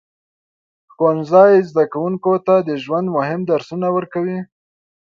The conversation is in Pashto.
ښوونځی زده کوونکو ته د ژوند مهم درسونه ورکوي.